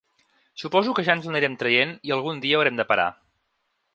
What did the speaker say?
Suposo que ja ens l’anirem traient i algun dia haurem de parar.